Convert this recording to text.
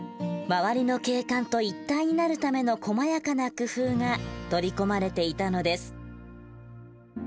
周りの景観と一体になるための細やかな工夫が取り込まれていたのです。